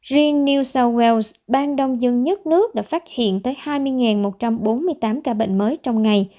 riêng new south wales bang đông dân nhất nước đã phát hiện tới hai mươi một trăm bốn mươi tám ca bệnh mới trong ngày